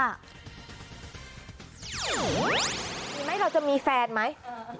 มีไหมเราจะมีแฟนไหม